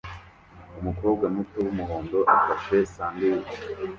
Umukobwa muto wumuhondo afashe sandwich